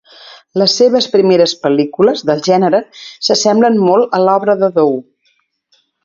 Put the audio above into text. Les seves primeres pel·lícules del gènere s'assemblen molt a l'obra de Dou.